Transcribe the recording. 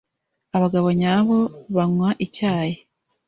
Abagabo nyabo banywa icyayi.